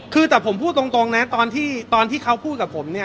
คือแต่ผมพูดตรงตรงน่ะตอนที่ตอนที่เขาพูดกับผมเนี่ย